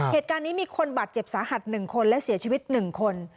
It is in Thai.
เหตุการณ์นี้มีคนบัดเจ็บสาหัสหนึ่งคนและเสียชีวิตหนึ่งคน